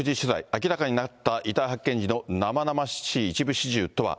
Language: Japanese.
明らかになった遺体発見時の生々しい一部始終とは。